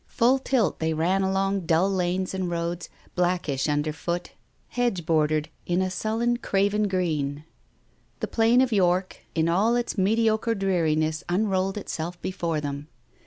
Full tilt they ran along dull lanes and roads, blackish under foot, hedge bordered in a sullen craven green. The Plain of York in all its mediocre dreariness unrolled itself before them.